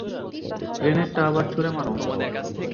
গ্রেনেডটা আবার ছুঁড়ে মার!